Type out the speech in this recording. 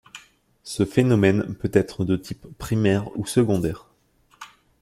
Ce phénomène peut être de type primaire ou secondaire.